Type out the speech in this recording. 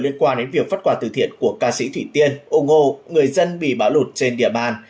liên quan đến việc phát quà từ thiện của ca sĩ thủy tiên ông ngô người dân bị bão lụt trên địa bàn